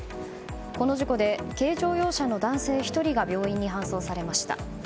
この事故で軽乗用車の男性１人が病院に搬送されました。